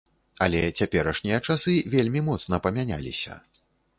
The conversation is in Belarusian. Але цяперашнія часы вельмі моцна памяняліся.